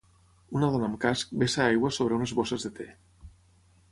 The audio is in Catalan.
Una dona amb casc vessa aigua sobre unes bosses de té